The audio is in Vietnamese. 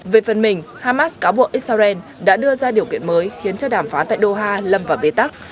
về phần mình hamas cáo buộc israel đã đưa ra điều kiện mới khiến cho đàm phán tại doha lầm và bê tắc